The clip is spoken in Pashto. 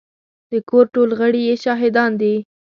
د کور ټول غړي يې شاهدان دي.